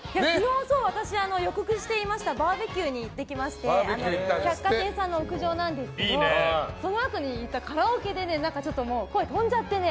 私、予告していたバーベキューしていまして百貨店さんの屋上なんですがそのあとに行ったカラオケでもう声が飛んじゃってね